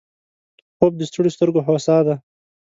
خوب د ستړیو سترګو هوسا ده